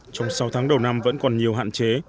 trong sáu tháng đầu năm vẫn còn nhiều hạn chế